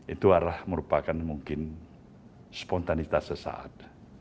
itu adalah merupakan mungkin spontanitas sesaat